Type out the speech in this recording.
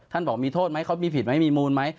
บอกมีโทษไหมเขามีผิดไหมมีมูลไหม